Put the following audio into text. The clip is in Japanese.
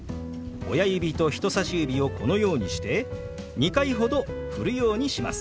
親指と人さし指をこのようにして２回ほどふるようにします。